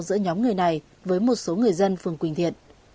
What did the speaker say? giữa nhóm người này với một số người dân phường quỳnh thiện